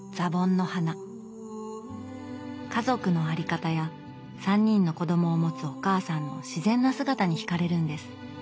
家族の在り方や３人の子供をもつお母さんの自然な姿に惹かれるんです